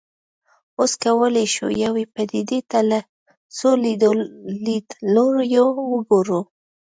اوس کولای شو یوې پدیدې ته له څو لیدلوریو وګورو.